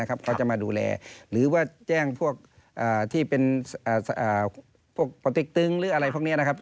เขาจะมาดูแลหรือว่าแจ้งพวกที่เป็นพวกปติ๊กตึงหรืออะไรพวกนี้นะครับ